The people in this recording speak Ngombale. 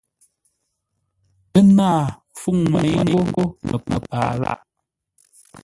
Pə náa fúŋ méi ńgó məpaa lâʼ.